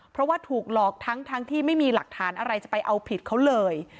เพราะว่าถูกหลอกทั้งที่ไม่มีหลักฐานอะไรจะไปเอาผิดเขาเลย